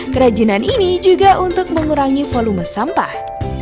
kerajinan ini juga untuk mengurangi volume sampah